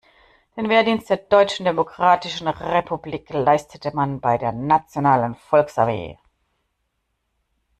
Den Wehrdienst der Deutschen Demokratischen Republik leistete man bei der nationalen Volksarmee.